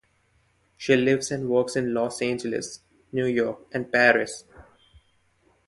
She lives and works in Los Angeles, New York, and Paris.